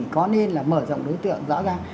có nên là mở rộng đối tượng rõ ràng